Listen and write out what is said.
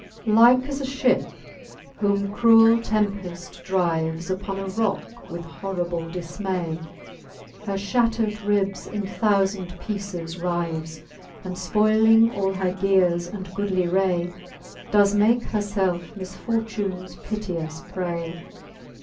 L. Like as a Ihip, whom cruel tempeft drives Upon a rock with horrible diimay, He fhattered ribs in thoufand peeces rives, And fpoyling all her geares and goodly ray, Does makes her lelfe misfortunes piteous pray.